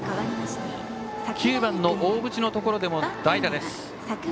９番、大渕のところでも代打です。